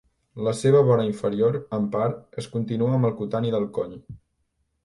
La seva vora inferior, en part, es continua amb el cutani del coll.